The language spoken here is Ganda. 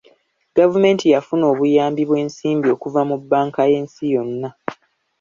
Gavumenti yafuna obuyambi bw'ensimbi okuva mu bbanka y'ensi yonna.